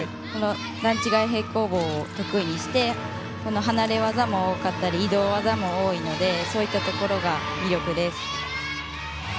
段違い平行棒を得意にして離れ技も多かったり移動技も多いのでそういったところが魅力です。